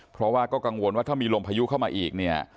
เพราะว่าก็กังวลว่าถ้ามีลมพายุเข้ามาอีกเนี่ย